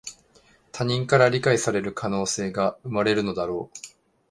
他人から理解される可能性が生まれるのだろう